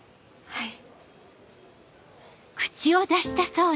はい。